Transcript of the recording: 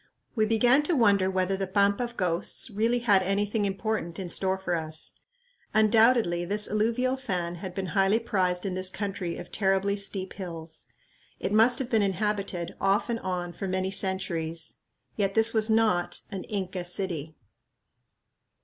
We began to wonder whether the "Pampa of Ghosts" really had anything important in store for us. Undoubtedly this alluvial fan had been highly prized in this country of terribly steep hills. It must have been inhabited, off and on, for many centuries. Yet this was not an "Inca city."